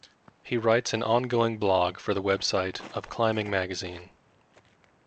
He writes an ongoing blog for the website of Climbing Magazine.